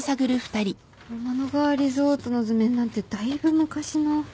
天の川リゾートの図面なんてだいぶ昔の。